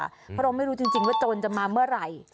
เพราะเราไม่รู้จริงว่าโจรจะมาเมื่อไหร่